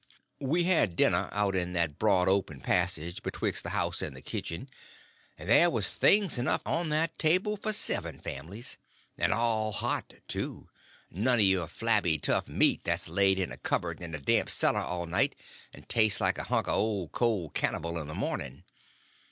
We had dinner out in that broad open passage betwixt the house and the kitchen; and there was things enough on that table for seven families—and all hot, too; none of your flabby, tough meat that's laid in a cupboard in a damp cellar all night and tastes like a hunk of old cold cannibal in the morning.